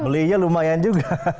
beliinnya lumayan juga